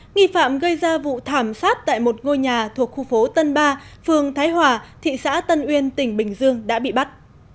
nghi phạm gây ra vụ thảm sát tại một ngôi nhà thuộc khu phố tân ba phường thái hòa thị xã tân uyên tỉnh bình dương đã bị bắt